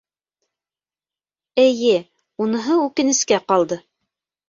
Эйе, уныһы үкенескә ҡалды...